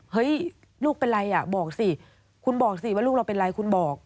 เฮ้ยลูกเป็นไรอ่ะบอกสิคุณบอกสิว่าลูกเราเป็นไรคุณบอก